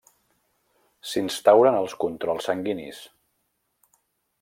S'instauren els controls sanguinis.